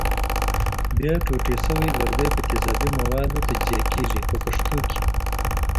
بیا ټوټې شوي لرګي په تیزابي موادو تجزیه کېږي په پښتو کې.